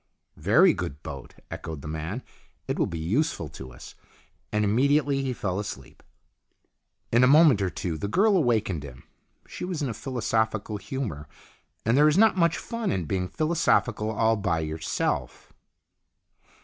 " Very good boat," echoed the man. " It will be useful to us." And immediately he fell asleep. In a moment or two the girl awakened him. She was in a philosophical humour, and there is not much fun in being philosophical all by yourself.